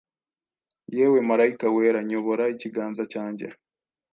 Yewe marayika wera nyobora ikiganza cyanjye